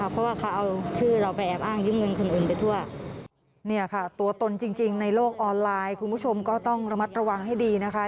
เป็นตัวตนจริงในโลกออนไลน์คุณผู้ชมก็ต้องระมัดตระวังให้ดีนะคะ